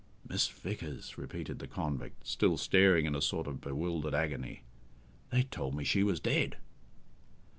"Miss Vickers," repeated the convict, still staring in a sort of bewildered agony. "They told me she was dead!"